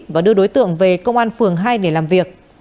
và đưa đối tượng về công an phường hai để làm việc